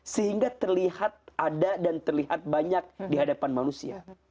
sehingga terlihat ada dan terlihat banyak di hadapan manusia